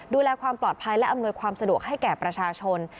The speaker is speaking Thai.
ดูแลความปลอดภัยและอำนวยความสะดวกให้แก่ประชาชน